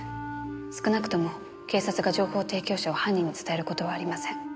少なくとも警察が情報提供者を犯人に伝える事はありません。